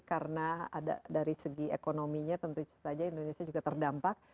karena ada dari segi ekonominya tentu saja indonesia juga terdampak